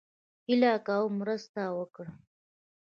هيله کوم مرسته وکړئ